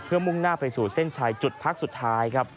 มุ่งหน้าไปสู่เส้นชัยจุดพักสุดท้ายครับ